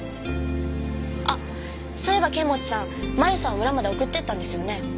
あっそういえば剣持さん麻由さん村まで送っていったんですよね。